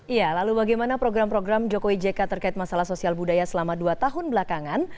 iya lalu bagaimana program program jokowi jk terkait masalah sosial budaya selama dua tahun belakangan